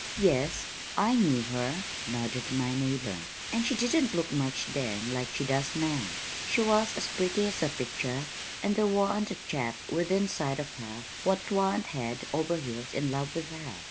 "Yes, I knew her," nodded my neighbor, "and she didn't look much then like she does now. She was as pretty as a picture and there wa'n't a chap within sight of her what wa'n't head over heels in love with her.